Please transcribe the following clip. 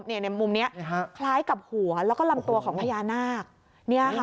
เนี่ยในมุมเนี่ยคล้ายกับหัวแล้วก็ลำตัวของพญานาคเนี่ยค่ะ